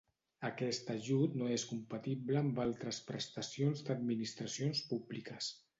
Aquest ajut no és compatible amb altres prestacions d'administracions públiques.